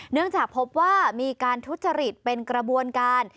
เนื่องจากพบว่ามีการทุจริตเป็นกระบวนการ